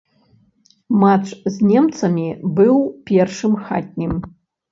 Матч з немцамі быў першым хатнім.